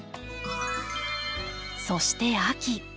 そして秋。